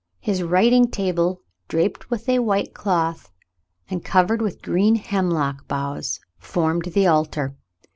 His writing table, draped with a white cloth and covered with green hemlock boughs, formed the altar.